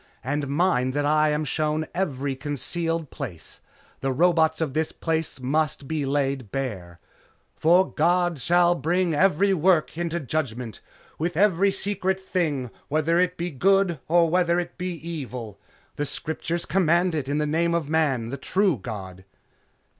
And mind that I am shown every concealed place. The roots of this place must be laid bare. 'For God shall bring every work into judgment, with every secret thing; whether it be good or whether it be evil.' The Scriptures command it in the name of Man, the True God."